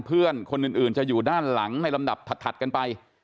เพื่อนคนอื่นจะอยู่ด้านหลังในลำดับถัดกันไป